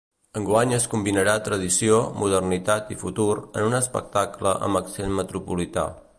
Enguany es combinarà tradició, modernitat i futur en un espectacle amb accent metropolità.